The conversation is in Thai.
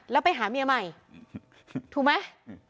แล้วไปหาเมียใหม่ถูกไหม